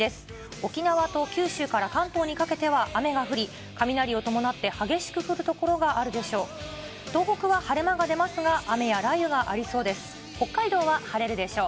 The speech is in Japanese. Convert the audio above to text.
沖縄と九州から関東にかけては雨が降り、雷を伴って激しく降る所があるでしょう。